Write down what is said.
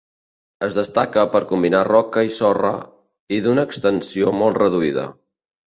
Es destaca per combinar roca i sorra, i d'una extensió molt reduïda.